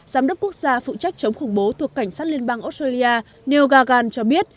giám đốc quốc gia phụ trách chống khủng bố thuộc cảnh sát liên bang australia neil gargan cho biết